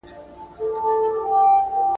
له حکومت سره په نېکو کارونو کي مرسته وکړئ.